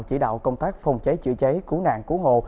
chỉ đạo công tác phòng cháy chữa cháy cứu nạn cứu hộ